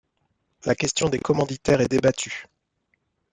La question des commanditaires est débattue.